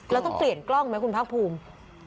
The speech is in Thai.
แล้วต้องเปลี่ยนกล้องไหมคุณภาคภูมิ